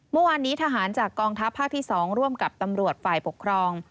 เมื่อวานนี้ทหารจากกองทัพภาคที่๒ร่วมกับตำรวจฝ่ายปกครอง